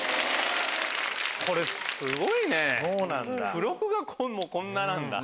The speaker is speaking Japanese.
付録がもうこんななんだ。